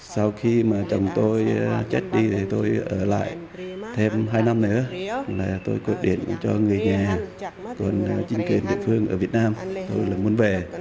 sau khi mà chồng tôi chết đi thì tôi ở lại thêm hai năm nữa là tôi quyết định cho người nhà còn chinh kiệm địa phương ở việt nam tôi là muốn về